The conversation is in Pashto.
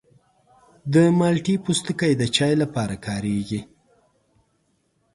د مالټې پوستکی د چای لپاره کارېږي.